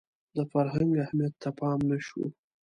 د فرهنګ اهمیت ته پام نه شو